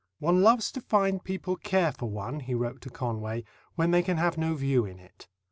"One loves to find people care for one," he wrote to Conway, "when they can have no view in it."